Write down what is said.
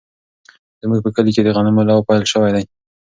زموږ په کلي کې د غنمو لو پیل شوی دی.